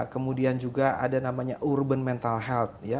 kemudian juga ada namanya urban mental health ya